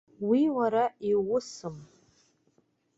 Уи уара иуусым.